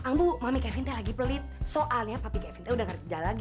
ambu mami kevin lagi pelit soalnya papi kevin udah ga kerja lagi